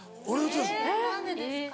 えぇ何でですか？